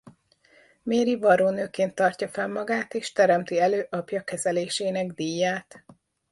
Mary varrónőként tartja fenn magát és teremti elő apja kezelésének díját.